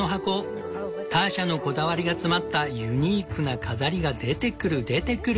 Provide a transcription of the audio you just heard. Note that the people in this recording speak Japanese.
ターシャのこだわりが詰まったユニークな飾りが出てくる出てくる。